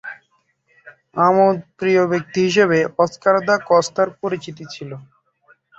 আমোদপ্রিয় ব্যক্তি হিসেবে অস্কার দা কস্তা’র পরিচিতি ছিল।